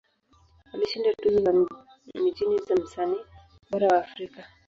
Alishinda tuzo za mijini za Msanii Bora wa Afrika.